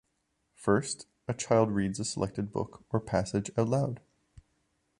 First, a child reads a selected book or passage aloud.